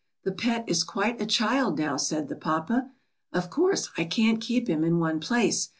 The pet is quite a child now,' said the papa. ^Of course, I can't keep him in one place.